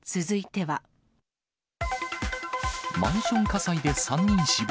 マンション火災で３人死亡。